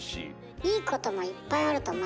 いいこともいっぱいあると思いますよ。